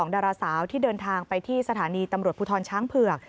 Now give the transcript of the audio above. ดาราสาวที่เดินทางไปที่สถานีตำรวจภูทรช้างเผือก